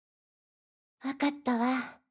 わかったわ。